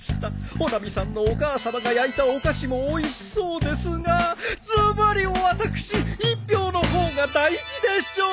穂波さんのお母さまが焼いたお菓子もおいしそうですがズバリ私一票の方が大事でしょう！